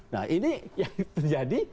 nah ini yang terjadi